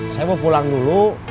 saya mau pulang dulu